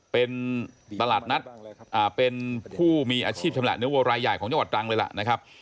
เป็นตลาดนัดเป็นผู้มีอาชีพชำแหละเนื้อวัวรายใหญ่ของจังหวัดตรังเลยล่ะนะครับ